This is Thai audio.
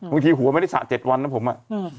บางทีหัวไม่ได้สระ๗วันนะผมอะ